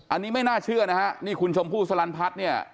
อันนี้ไม่น่าเชื่อนะฮะนี่คุณชมพู่สลันพัฒน์เนี่ย